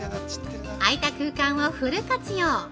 空いた空間をフル活用！